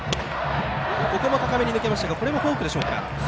ここも高めに抜けましたがこれもフォークでしょうか。